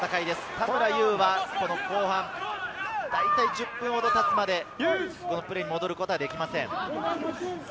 田村優は後半、１０分ほど経つまで、プレーに戻ることができません。